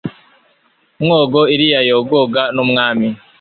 mwogo iriya yogoga n'umwami